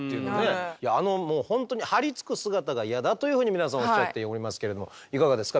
あのもう本当に張り付く姿がイヤだというふうに皆さんおっしゃっておりますけれどもいかがですか？